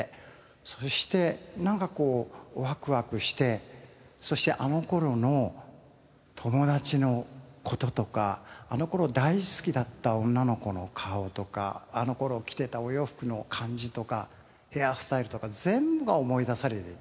そしてなんかこうワクワクしてそしてあの頃の友達の事とかあの頃大好きだった女の子の顔とかあの頃着ていたお洋服の感じとかヘアスタイルとか全部が思い出されて。